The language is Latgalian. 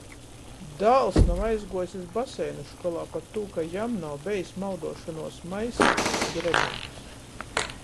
Dāls nav aizguojs iz baseinu školā, partū ka jam nav bejs mauduošonuos maisā grebenis.